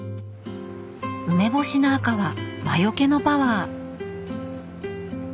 梅干しの赤は魔よけのパワー！